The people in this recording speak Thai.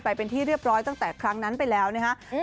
ไปเป็นที่เรียบร้อยตั้งแต่ครั้งนั้นไปแล้วนะฮะ